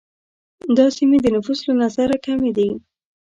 دا سیمې د نفوس له نظره کمي دي.